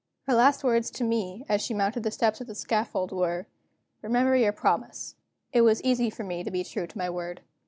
Her last words to me, as she mounted the steps of the scaffold, were: "Remember your promise." It was easy for me to be true to my word.